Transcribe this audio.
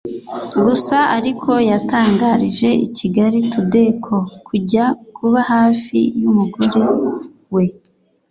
Gusa ariko yatangarije Kigali Today ko kujya kuba hafi y’umugore we